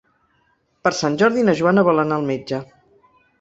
Per Sant Jordi na Joana vol anar al metge.